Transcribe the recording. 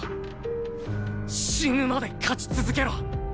死ぬまで勝ち続けろ！